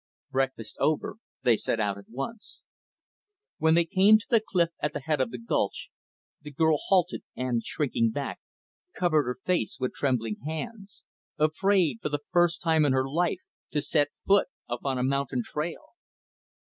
Breakfast over, they set out at once. When they came to the cliff at the head of the gulch, the girl halted and, shrinking back, covered her face with trembling hands; afraid, for the first time in her life, to set foot upon a mountain trail.